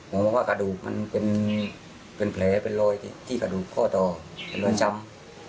บอกว่ากระดูกมันเป็นแผลเป็นรอยที่กระดูกข้อต่อเป็นรอยช้ำ